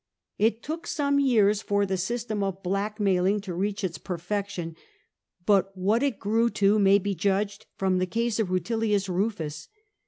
It took some years for the system of blackmailing to reach its perfection, but what it grew to may be judged from the case of Rutilius Rufus.